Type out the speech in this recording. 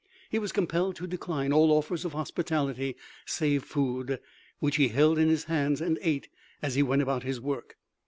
He was compelled to decline all offers of hospitality save food, which he held in his hands and ate as he went about his work.